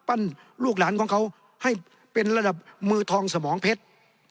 ลูกหลานของเขาให้เป็นระดับมือทองสมองเพชร